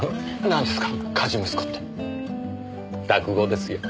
誰ですか？